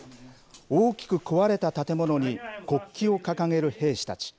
大きく壊れた建物に国旗を掲げる兵士たち。